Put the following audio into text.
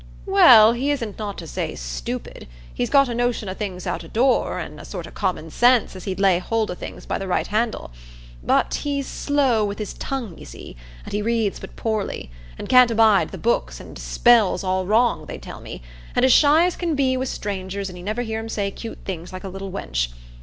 "Well, he isn't not to say stupid,—he's got a notion o' things out o' door, an' a sort o' common sense, as he'd lay hold o' things by the right handle. But he's slow with his tongue, you see, and he reads but poorly, and can't abide the books, and spells all wrong, they tell me, an' as shy as can be wi' strangers, an' you never hear him say 'cute things like the little wench.